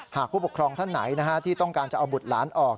ผู้ปกครองท่านไหนที่ต้องการจะเอาบุตรหลานออก